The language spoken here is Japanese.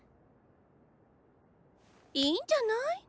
いいんじゃない？